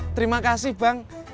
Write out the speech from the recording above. terima kasih bang